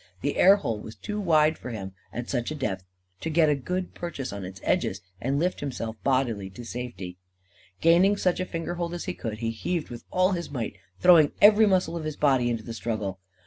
The air hole was too wide for him, at such a depth, to get a good purchase on its edges and lift himself bodily to safety. Gaining such a finger hold as he could, he heaved with all his might, throwing every muscle of his body into the struggle.